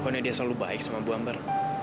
koknya dia selalu baik sama bu ambar